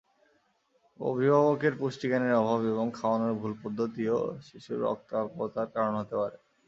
অভিভাবকের পুষ্টিজ্ঞানের অভাব এবং খাওয়ানোর ভুল পদ্ধতিও শিশুর রক্তাল্পতার কারণ হতে পারে।